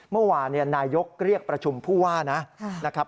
เมื่อวานนายกเรียกประชุมผู้ว่านะครับ